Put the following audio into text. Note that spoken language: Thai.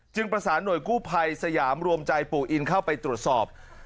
ประสานหน่วยกู้ภัยสยามรวมใจปู่อินเข้าไปตรวจสอบ